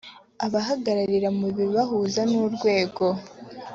abahagararira mu bibahuza n urwego